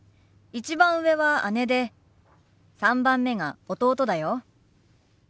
１番上は姉で３番目が弟だよ。